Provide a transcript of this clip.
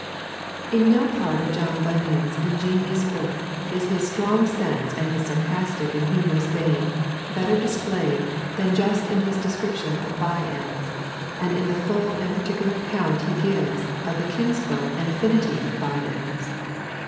In no part of John Bunyan's ingenious book is his strong sense and his sarcastic and humorous vein better displayed than just in his description of By ends, and in the full and particular account he gives of the kinsfolk and affinity of By ends.